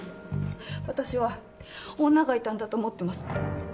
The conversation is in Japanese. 私は女がいたんだと思ってます。